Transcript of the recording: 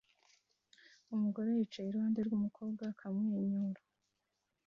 Umugore yicaye iruhande rwumukobwa ukamwenyura